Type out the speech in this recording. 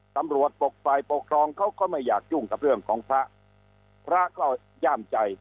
ตำรวจปกฝ่ายปกครองเขาก็ไม่อยากยุ่งกับเรื่องของพระพระก็ย่ามใจ